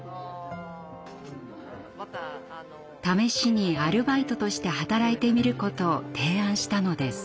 試しにアルバイトとして働いてみることを提案したのです。